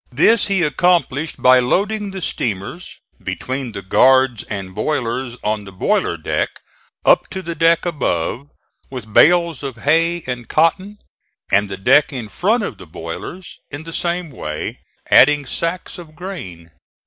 This he accomplished by loading the steamers, between the guards and boilers on the boiler deck up to the deck above, with bales of hay and cotton, and the deck in front of the boilers in the same way, adding sacks of grain.